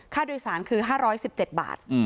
ค่าโดยสารคือ๕๑๗บาท